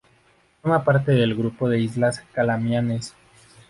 Forma parte del grupo de islas Calamianes.